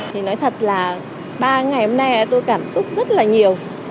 thì nói thật là ba ngày hôm nay tôi cảm xúc rất là nhiều